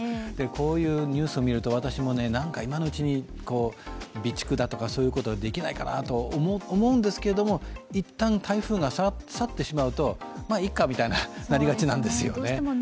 こういうニュースを見ると私も今のうちに備蓄だとかそういうことができないかなと思うんですけれども、一旦台風が去ってしまうとま、いっかとなりがちなんですよね。